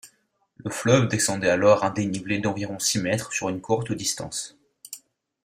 Le fleuve descendait alors un dénivelé d'environ six mètres sur une courte distance.